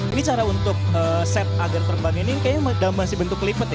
ini cara untuk set agar perbankan ini kayaknya masih bentuk lipat ya